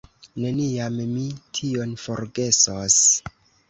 Neniam mi tion forgesos!